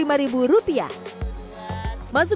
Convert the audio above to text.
masuk ke tempat lain